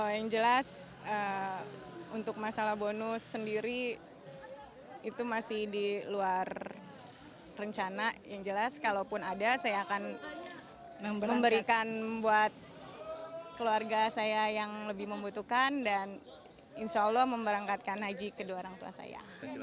yang jelas untuk masalah bonus sendiri itu masih di luar rencana yang jelas kalaupun ada saya akan memberikan buat keluarga saya yang lebih membutuhkan dan insya allah memberangkatkan haji kedua orang tua saya